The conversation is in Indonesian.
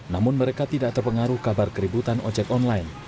namun mereka tidak terpengaruh kabar keributan ojek online